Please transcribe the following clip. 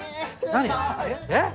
何？え！？